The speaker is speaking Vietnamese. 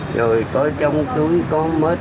rồi có chứng minh dân dân đúng tên của cái người đã mất